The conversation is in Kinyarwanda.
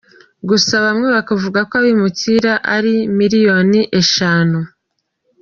Gusa bamwe bakavuga ko abimukira ari miliyoni eshanu.